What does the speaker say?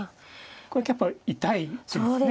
これやっぱり痛い順ですね。